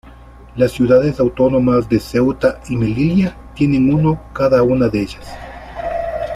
Las ciudades autónomas de Ceuta y Melilla tienen uno cada una de ellas.